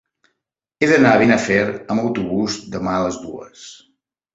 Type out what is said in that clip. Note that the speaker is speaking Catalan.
He d'anar a Benafer amb autobús demà a les dues.